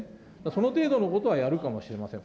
その程度のことはやるかもしれません。